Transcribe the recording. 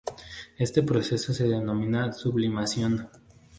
Este proceso se denomina sublimación.